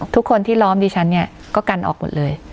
ทุกคนที่ล้อมดิฉันเนี่ยก็กันออกหมดเลย